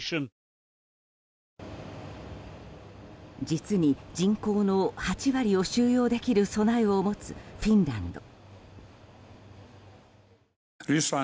実に、人口の８割を収容できる備えを持つフィンランド。